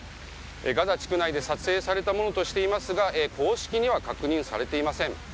ガザ地区内で撮影されたものとしていますが公式には確認されていません。